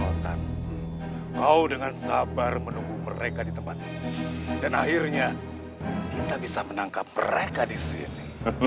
otak mau dengan sabar menunggu mereka di tempat dan akhirnya kita bisa menangkap mereka disini